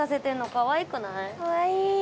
かわいい。